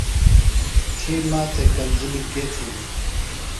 تھی ماتھےۡ کنزِلیۡ کے تھیلیۡ؟